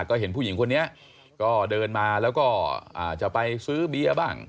ก็เห็นผู้หญิงคนนี้ก็เดินมาแล้วก็จะไปซื้อเบียร์บ้าง